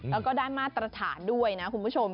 แล้วก็ได้มาตรฐานด้วยนะคุณผู้ชม